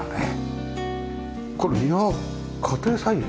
これ庭家庭菜園？